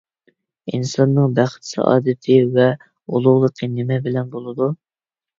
ئىنساننىڭ بەخت-سائادىتى ۋە ئۇلۇغلۇقى نېمە بىلەن بولىدۇ؟